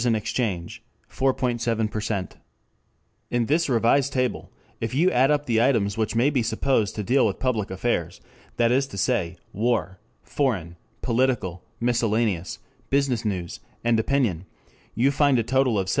7+ In this revised table if you add up the items which may be supposed to deal with public affairs, that is to say war, foreign, political, miscellaneous, business news, and opinion, you find a total of 76.